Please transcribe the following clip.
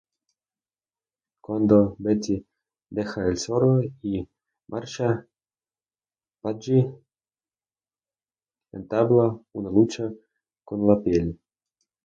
Cuando Betty deja el zorro y marcha, Pudgy entabla una lucha con la piel.